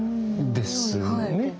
ですよね。